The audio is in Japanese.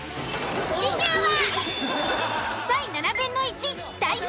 次週は。